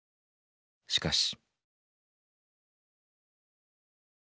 しかし。